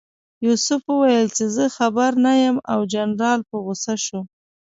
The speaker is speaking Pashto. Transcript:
یوسف وویل چې زه خبر نه یم او جنرال په غوسه شو.